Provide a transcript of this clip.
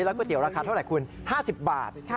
แล้วก๋วยเตี๋ยวราคาเท่าไรคุณ๕๐บาท